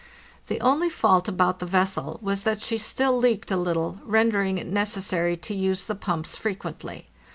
The only fault about the vessel was that she still leaked a little, rendering it necessary to use the pumps frequently.